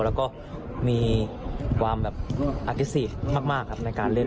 แล้วก็มีความแบบอธิษีมากครับในการเล่น